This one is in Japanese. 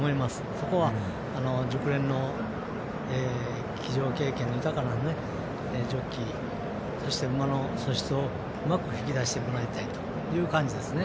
そこは熟練の騎乗経験豊かなジョッキーそして、馬の素質をうまく引き出してもらいたいという感じですね。